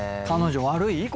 彼女悪い？